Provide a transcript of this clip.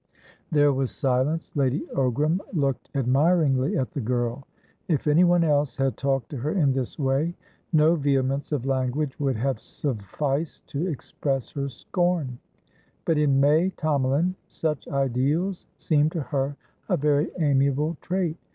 There was silence. Lady Ogram looked admiringly at the girl. If anyone else had talked to her in this way, no vehemence of language would have sufficed to express her scorn; but in May Tomalin such ideals seemed to her a very amiable trait.